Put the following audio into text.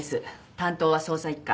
担当は捜査一課。